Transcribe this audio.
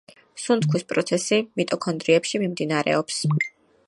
სუნთქვის პროცესი მიტოქონდრიებში მიმდინარეობს.